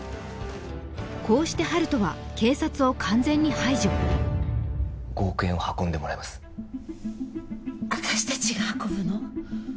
こうして温人は完全に５億円を運んでもらいます私達が運ぶの？